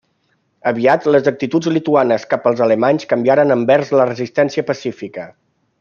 Aviat les actituds lituanes cap als alemanys canviaren envers la resistència pacífica.